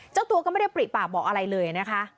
เจ้าตัวก็ไม่ได้ปริปากบอกอะไรเลยนะคะ